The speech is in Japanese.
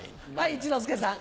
一之輔さん。